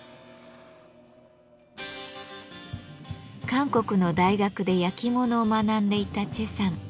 韓国の大学で焼き物を学んでいた崔さん